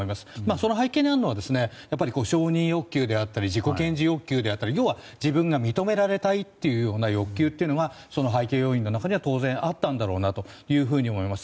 その背景にあるのは承認欲求であったり自己顕示欲求であったり自分が認められたい欲求はその背景要因の中には当然あったんだろうなと思います。